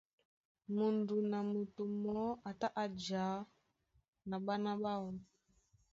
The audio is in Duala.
Mudun a moto mɔɔ́ a tá a jǎ na ɓána ɓáō.